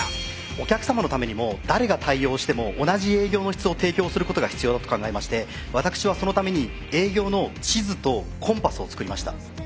お客さまのためにも誰が対応しても同じ営業の質を提供することが必要だと考えまして私はそのために営業の地図とコンパスを作りました。